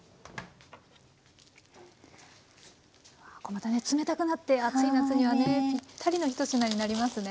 こうまたね冷たくなって暑い夏にはねぴったりの１品になりますね。